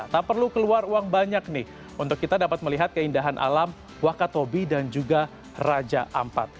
tak perlu keluar uang banyak nih untuk kita dapat melihat keindahan alam wakatobi dan juga raja ampat